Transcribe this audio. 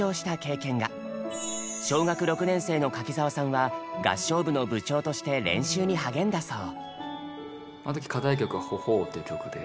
小学６年生の柿澤さんは合唱部の部長として練習に励んだそう。